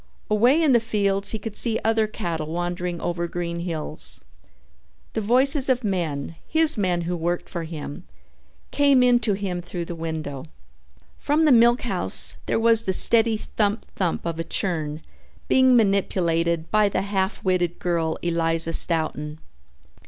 Away in the fields he could see other cattle wandering over green hills. The voices of men, his men who worked for him, came in to him through the window. From the milkhouse there was the steady thump, thump of a churn being manipulated by the half witted girl, Eliza Stoughton.